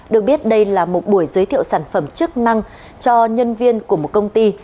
được biết đây là một buổi giới thiệu sản phẩm chức năng cho nhân viên của một công ty